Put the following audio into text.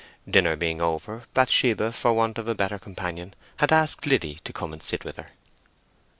Dinner being over, Bathsheba, for want of a better companion, had asked Liddy to come and sit with her.